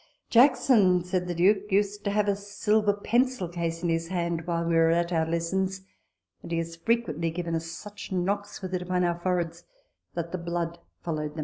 "Jackson," said the Duke, " used to have a silver pencil case in his hand while we were at our lessons ; and he has frequently given us such knocks with it upon our foreheads, that the blood followed them."